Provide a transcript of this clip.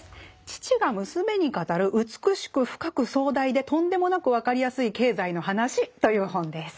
「父が娘に語る美しく、深く、壮大で、とんでもなくわかりやすい経済の話。」という本です。